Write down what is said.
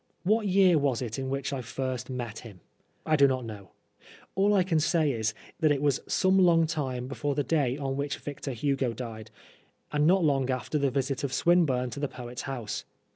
What year was it in which I first met him ? I do not know. All I can say is, that it was some long time before the day on which Victor Hugo died, and not long after the IS Oscar Wilde visit of Swinburne to the poet's house.